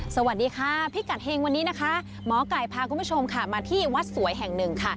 สวัสดีค่ะพิกัดเฮงวันนี้นะคะหมอไก่พาคุณผู้ชมค่ะมาที่วัดสวยแห่งหนึ่งค่ะ